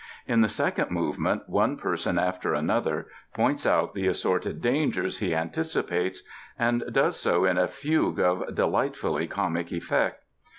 In the second movement one person after another points out the assorted dangers he anticipates and does so in a fugue of delightfully comic effect.